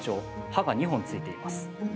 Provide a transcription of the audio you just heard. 刃が２本ついています。